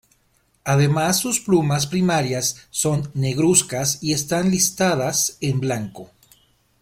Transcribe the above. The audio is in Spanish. Además sus plumas primarias son negruzcas y están listadas en blanco.